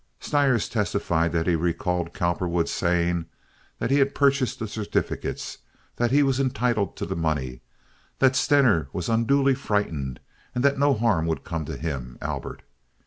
Stires testified that he recalled Cowperwood's saying that he had purchased the certificates, that he was entitled to the money, that Stener was unduly frightened, and that no harm would come to him, Albert.